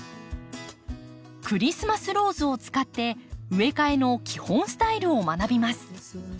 クリスマスローズを使って植え替えの基本スタイルを学びます。